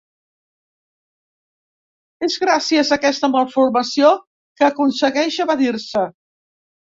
És gràcies a aquesta malformació que aconsegueix evadir-se.